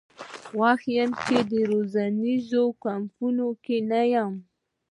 خوښ وم چې په روزنیزو کمپونو کې نه یم.